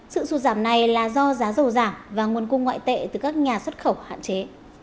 sự sụt giảm này là do giá dầu giảm và nguồn cung ngoại tệ từ các nhà xuất khẩu hạn chế